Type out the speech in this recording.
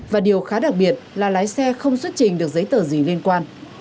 và điều khá đặc biệt là lái xe không xuất trình được giấy tờ gì liên quan